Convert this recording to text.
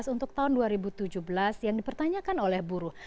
untuk tahun dua ribu tujuh belas yang dipertanyakan oleh buruh